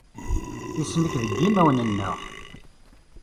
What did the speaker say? Isem-ik deg yimawen-nneɣ.